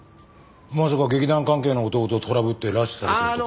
まさか劇団関係の男とトラブって拉致されてるとか？